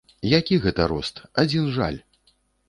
Які гэта рост, адзін жаль.